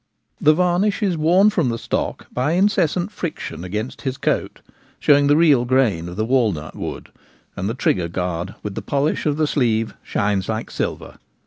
The varnish is worn from the stock by incessant friction against his coat, showing the real grain of the walnut wood, and the trigger guard with the polish of the sleeve shines like silver.